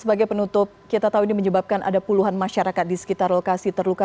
sebagai penutup kita tahu ini menyebabkan ada puluhan masyarakat di sekitar lokasi terluka